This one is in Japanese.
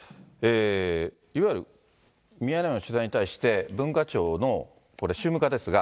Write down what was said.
いわゆるミヤネ屋の取材に対して、文化庁のこれ宗務課ですが。